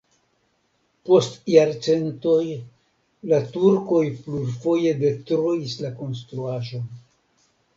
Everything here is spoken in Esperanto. Post jarcentoj la turkoj plurfoje detruis la konstruaĵon.